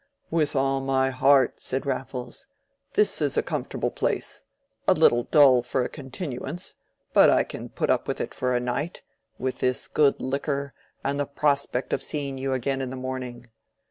"With all my heart," said Raffles; "this is a comfortable place—a little dull for a continuance; but I can put up with it for a night, with this good liquor and the prospect of seeing you again in the morning.